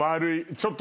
ちょっと。